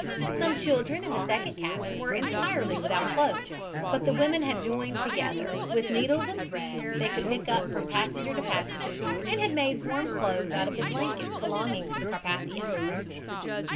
Some children in the second cabin were entirely without clothes, but the women had joined together, and with needles and thread they could pick up from passenger to passenger, had made warm clothes out of the blankets belonging to the Carpathia.